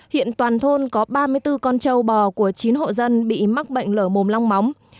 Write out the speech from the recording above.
hiện toàn thôn có ba mươi bốn con trâu bò của chín hộ dân bị mắc bệnh lở mồm long móng